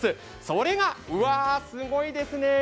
それがうわすごいですね